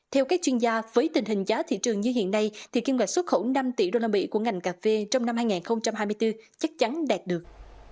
theo các chuyên gia với tình hình giá thị trường như hiện nay thì kiêm ngạch xuất khẩu năm tỷ đô la mỹ của ngành cà phê trong năm hai nghìn hai mươi bốn chắc chắn đạt được